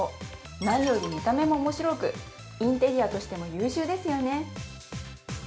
何より見た目もおもしろくインテリアとしても優秀ですよね。